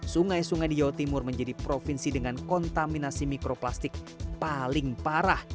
sungai sungai di jawa timur menjadi provinsi dengan kontaminasi mikroplastik paling parah